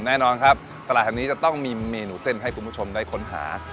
แน่นอนครับตลาดแห่งนี้จะต้องมีเมนูเส้นให้คุณผู้ชมได้ค้นหา